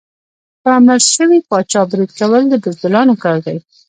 په مړ شوي پاچا برید کول د بزدلانو کار دی.